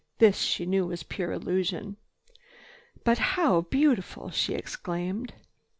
This, she knew, was pure illusion. "But how beautiful!" she exclaimed.